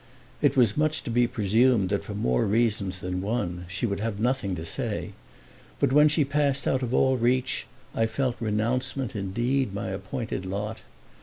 It was much to be presumed that for more reasons than one she would have nothing to say; but when she passed out of all reach I felt renannouncement indeed my appointed lot.